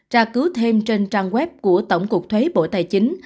tra cứu thêm trên trang web của tổng cục thuế bộ tài chính